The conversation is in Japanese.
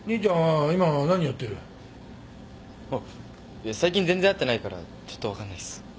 あっ最近全然会ってないからちょっと分かんないっす。